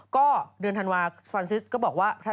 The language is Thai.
ก็เดือนธันวาฟรานซิสก็บอกว่า